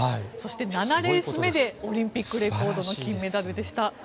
そして、７レース目でオリンピックレコードの金メダルでした。